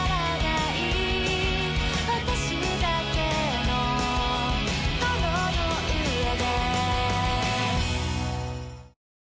「私だけの泥の上で」